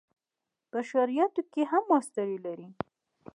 په شرعیاتو کې هم ماسټري لري.